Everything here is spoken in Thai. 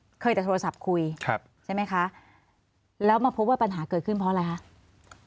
เคยแต่โทรศัพท์คุยครับใช่ไหมคะแล้วมาพบว่าปัญหาเกิดขึ้นเพราะอะไรคะ